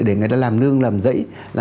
để người ta làm nương làm dãy làm